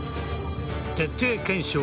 徹底検証